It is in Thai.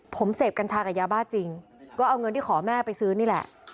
ผมเสพกัญชากับยาบ้าจริงก็เอาเงินที่ขอแม่ไปซื้อนี่แหละ